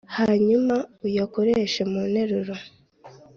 hanyuma uyakoreshe mu nteruro,